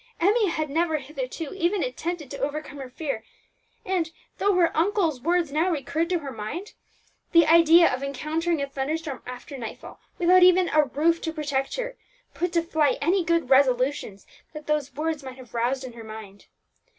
Emmie had never hitherto even attempted to overcome her fear; and though her uncle's words now recurred to her mind, the idea of encountering a thunderstorm after nightfall, without even a roof to protect her, put to flight any good resolutions that those words might have roused in her mind.